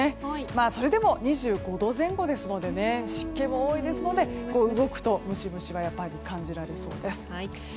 それでも２５度前後で湿気も多いですので動くとムシムシは感じられそうです。